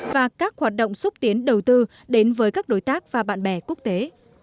và các hoạt động xúc tiến đầu tư đến với các đối tác và bạn bè quốc tế